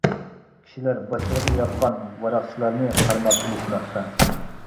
كىشىلەر باشلىرىغا ياغقان ۋاراقچىلارنى قارماپ ئېلىشماقتا.